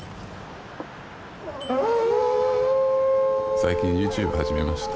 最近ＹｏｕＴｕｂｅ始めました。